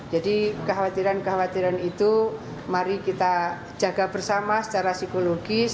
jadi kekhawatiran kekhawatiran itu mari kita jaga bersama secara psikologis